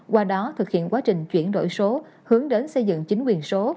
qua đó thực hiện quá trình chuyển đổi số hướng đến xây dựng chính quyền số